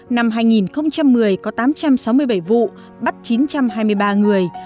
năm hai nghìn một mươi có tám trăm sáu mươi bảy vụ bắt chín trăm hai mươi ba người